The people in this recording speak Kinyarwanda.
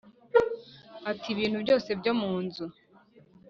Ati ibintu byose byo mu nzu